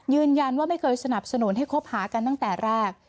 ยืนยันว่าไม่เคยสนับสนุนให้คบหากันตั้งแต่แรก